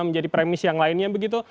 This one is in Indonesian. menjadi premis yang lainnya begitu